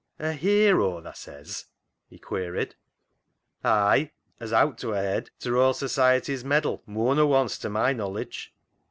" A hero, tha says ?" he queried. " Ay, as owt to 'a hed t' Royal Society's medal mooar nor wunce to my knowledge.